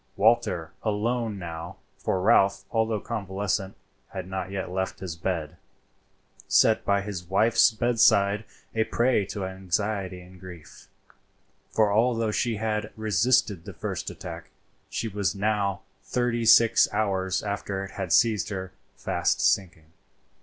Walter, alone now,—for Ralph, although convalescent, had not yet left his bed,—sat by his wife's bedside a prey to anxiety and grief; for although she had resisted the first attack, she was now, thirty six hours after it had seized her, fast sinking.